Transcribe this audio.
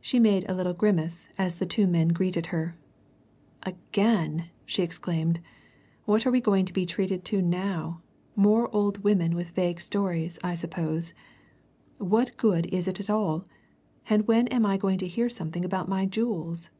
She made a little grimace as the two men greeted her. "Again!" she exclaimed, "What are we going to be treated to now? More old women with vague stories, I suppose. What good is it at all? And when am I going to hear something about my jewels?"